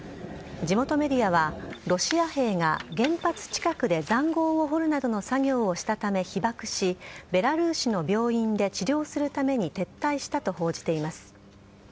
地元メディアはロシア兵が原発近くで塹壕を掘るなどの作業をしたため被爆しベラルーシの病院で治療するために撤退したと報じています。